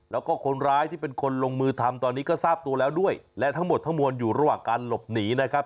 แล้วก็คนร้ายที่เป็นคนลงมือทำตอนนี้ก็ทราบตัวแล้วด้วยและทั้งหมดทั้งมวลอยู่ระหว่างการหลบหนีนะครับ